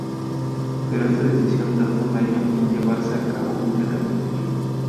Pero esta decisión tardó un año en llevarse a cabo completamente.